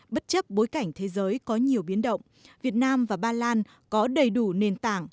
bất chấp bối cảnh thế giới có nhiều biến động việt nam và ba lan có đầy đủ nền tảng